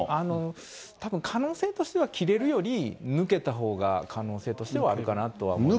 たぶん可能性としては、切れるより、抜けたほうが可能性としてはあるかなとは思います。